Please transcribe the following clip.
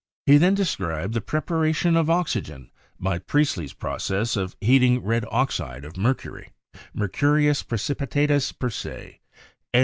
He then described the preparation of oxygen by Priestley's process of heating red oxide of mercury ("mer curius precipitatus per se"), and.